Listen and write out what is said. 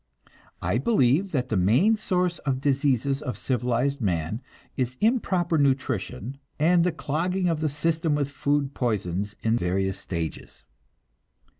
I believe that the main source of the diseases of civilized man is improper nutrition, and the clogging of the system with food poisons in various stages.